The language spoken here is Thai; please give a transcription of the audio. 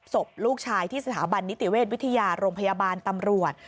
ศพลูกชายที่สถาบันนิติเวชวิทยาโรงพยาบาลตำรวจ